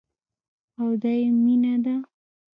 او دايې مينه ده.